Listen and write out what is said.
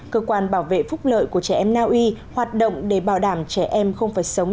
cơ quan bảo vệ phúc lợi của trẻ em naui hoạt động để bảo đảm trẻ em không phải sống